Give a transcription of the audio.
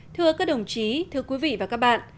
thưa các đồng chí thưa quý vị và các bạn